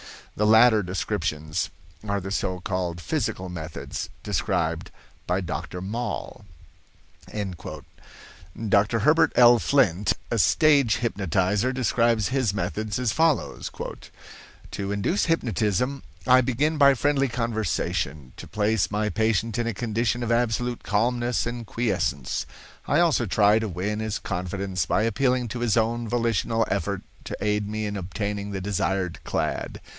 The latter descriptions are the so called physical methods described by Dr. Moll." Dr. Herbert L. Flint, a stage hypnotizer, describes his methods as follows: "To induce hypnotism, I begin by friendly conversation to place my patient in a condition of absolute calmness and quiescence. I also try to win his confidence by appealing to his own volitional effort to aid me in obtaining the desired clad.